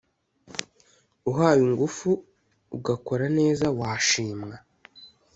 uhawe ingufu ugakora neza washimwa